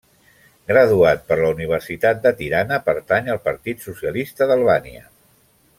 Graduat per la Universitat de Tirana, pertany al Partit Socialista d'Albània.